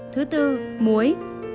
thứ bốn muối